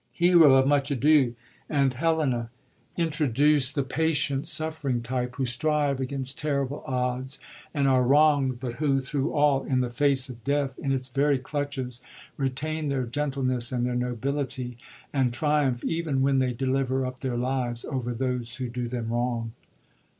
Hero of Much Ado, and Helena, introduce 109 SHAKSP£R£*S SECOND PERIOD WOMEN the patient, suffering type, who strive against terrible odds and are wrongd, but who, thru all, in the face of death, in its very clutches, retain their gentleness and their nobility, and triumph, even when they deliver up their lives, over those who do them wrong.